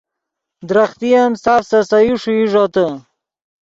درختے ام ساف سے سے یو ݰوئی ݱوتے